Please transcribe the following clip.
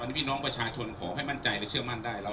พี่น้องประชาชนขอให้มั่นใจและเชื่อมั่นได้